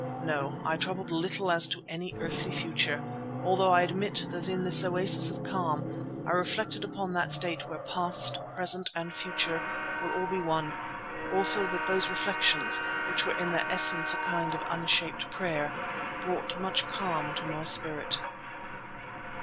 No, I troubled little as to any earthly future, although I admit that in this oasis of calm I reflected upon that state where past, present and future will all be one; also that those reflections, which were in their essence a kind of unshaped prayer, brought much calm to my spirit.